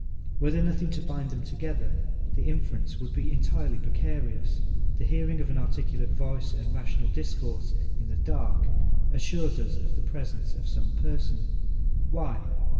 Were there nothing to bind them together, the inference would be entirely precarious. The hearing of an articulate voice and rational discourse in the dark assures us of the presence of some person: Why?